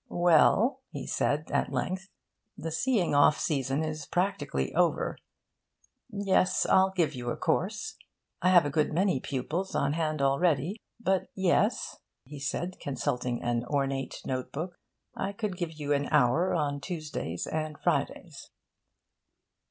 'Well,' he said at length, 'the seeing off season is practically over. Yes, I'll give you a course. I have a good many pupils on hand already; but yes,' he said, consulting an ornate note book, 'I could give you an hour on Tuesdays and Fridays.'